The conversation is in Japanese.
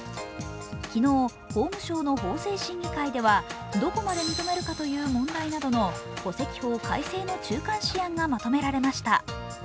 昨日、法務省の法制審議会ではどこまで認めるかという問題などの戸籍法改正の中間試案がまとめられました。